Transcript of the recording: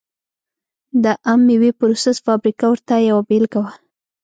د عم مېوې پروسس فابریکه ورته یوه بېلګه وه.